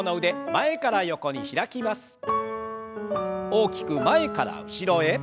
大きく前から後ろへ。